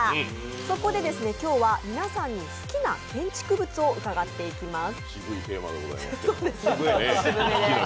そこで、今日は皆さんに好きな建築物を伺っていきます。